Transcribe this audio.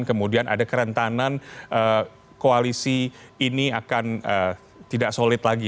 kemudian ada kerentanan koalisi ini akan tidak solid lagi